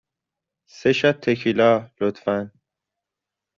سه شات تکیلا، لطفاً.